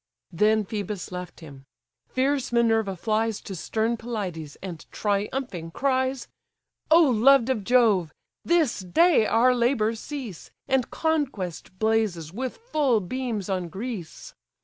Then Phœbus left him. Fierce Minerva flies To stern Pelides, and triumphing, cries: "O loved of Jove! this day our labours cease, And conquest blazes with full beams on Greece.